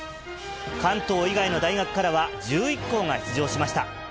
関東以外の大学からは１１校が出場しました。